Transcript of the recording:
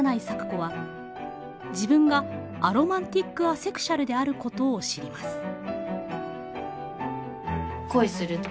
咲子は自分がアロマンティックアセクシュアルであることを知ります。